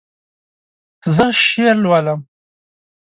زه شعر لولم